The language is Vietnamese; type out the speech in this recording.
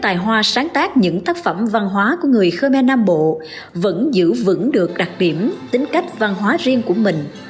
tài hoa sáng tác những tác phẩm văn hóa của người khmer nam bộ vẫn giữ vững được đặc điểm tính cách văn hóa riêng của mình